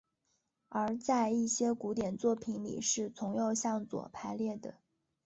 而在一些古典作品里是从右向左排列的。